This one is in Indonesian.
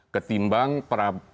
ketimbang para pendukung